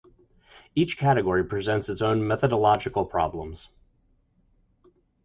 Each category presents its own methodological problems.